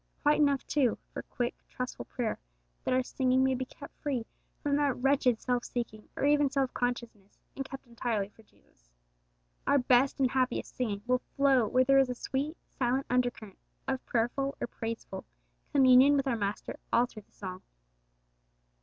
Quite enough, too, for quick, trustful prayer that our singing may be kept free from that wretched self seeking or even self consciousness, and kept entirely for Jesus. Our best and happiest singing will flow when there is a sweet, silent undercurrent of prayerful or praiseful communion with our Master all through the song.